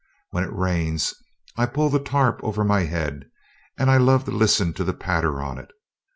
When it rains, I pull the tarp over my head, and I love to listen to the patter on it.